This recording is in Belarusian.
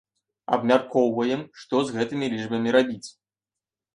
Абмяркоўваем, што з гэтымі лічбамі рабіць?